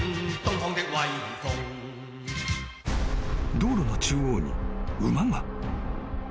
［道路の中央に馬が］